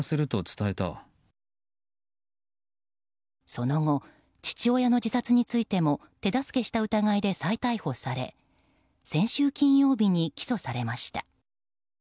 その後、父親の自殺についても手助けした疑いで再逮捕され先週金曜日に起訴されました。